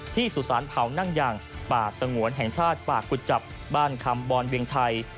สุสานเผานั่งอย่างป่าสงวนแห่งชาติป่ากุจจับบ้านคำบอนเวียงชัย